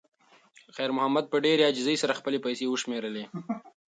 خیر محمد په ډېرې عاجزۍ سره خپلې پیسې وشمېرلې.